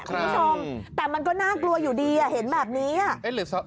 คุณผู้ชมแต่มันก็น่ากลัวอยู่ดีอ่ะเห็นแบบนี้อ่ะเอ๊ะหรือ